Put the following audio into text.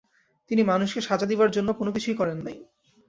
তিনি মানুষকে সাজা দিবার জন্য কোন কিছুই করেন নাই।